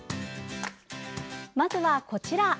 まずはこちら。